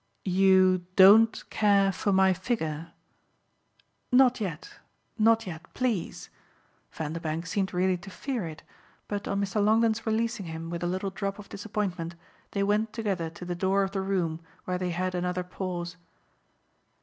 "You DON'T care for my figure?" "Not yet not yet. PLEASE." Vanderbank seemed really to fear it, but on Mr. Longdon's releasing him with a little drop of disappointment they went together to the door of the room, where they had another pause.